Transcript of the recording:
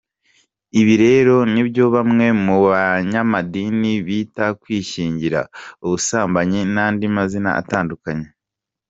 Ibi rero nibyo bamwe mu banyamadini bita kwishyingira, ubusambanyi n’andi mazina atandukanye.